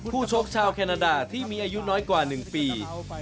ชกชาวแคนาดาที่มีอายุน้อยกว่า๑ปี